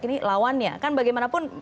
ini lawannya kan bagaimanapun